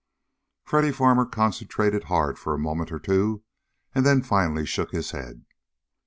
Freddy Farmer concentrated hard for a moment or two, and then finally shook his head.